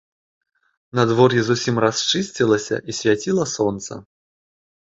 Надвор'е зусім расчысцілася, і свяціла сонца.